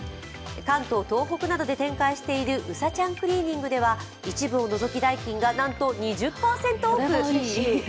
関東・東北などで展開しているうさちゃんクリーニングでは一部を除き代金がなんと２０％オフ。